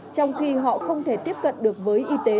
trong khi họ không thể tiếp cận được với y tế